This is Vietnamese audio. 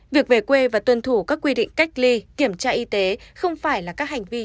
việc về quê và tuân thủ các quy định cách ly kiểm tra y tế không phải là các hành vi